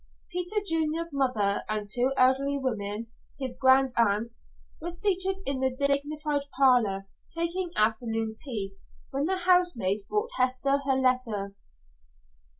Peter Junior's mother and two elderly women his grandaunts were seated in the dignified parlor, taking afternoon tea, when the housemaid brought Hester her letter.